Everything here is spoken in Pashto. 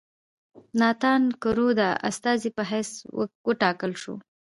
ناتان کرو د استازي په حیث وټاکل شو.